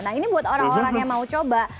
nah ini buat orang orang yang mau coba